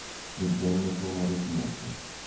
Le gemme sono resinose.